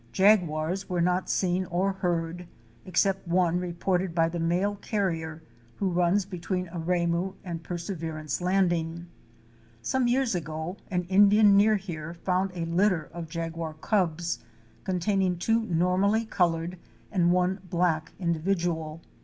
Jaguars were not seen or heard, except one reported by the mail carrier who runs between Aremu and Perseverance Landing. Some years ago an Indian near here found a litter of jaguar cubs containing two normally colored and one black individual.